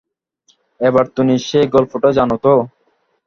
অ্যাবারথোনির সেই গল্পোটা জানো তো?